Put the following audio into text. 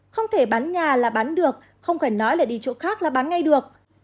không thể bán nhà là bán được không phải nói là đi chỗ khác là bán ngay được